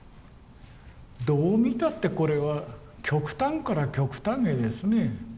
どう見たってこれは極端から極端へですね。